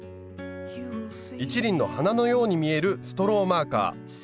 一輪の花のように見えるストローマーカー。